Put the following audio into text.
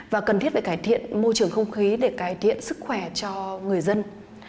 và cần thiết phải cải thiện môi trường không khí để cải thiện sức khỏe cho người dân